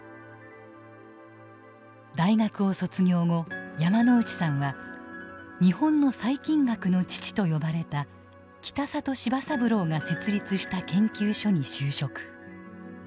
大学を卒業後山内さんは「日本の細菌学の父」と呼ばれた北里柴三郎が設立した研究所に就職。